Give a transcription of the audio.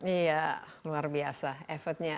iya luar biasa effortnya